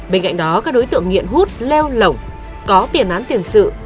bên cạnh đó các đối tượng nghiện hút leo lỏng có tiền án tiền sự